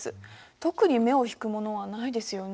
特に目を引くものはないですよね。